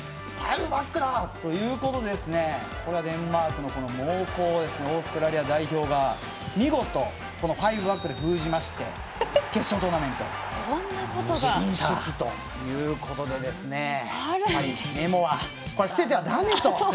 ５バックだということでこれでデンマークの猛攻をオーストラリア代表が見事５バックで封じまして決勝トーナメント進出ということでやはりメモは捨ててはだめと。